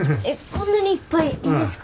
こんなにいっぱいいいんですか？